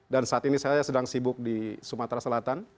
dan saat ini saya sedang sibuk di sumatera selatan